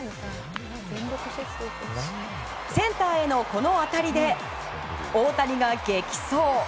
センターへのこの当たりで大谷が激走。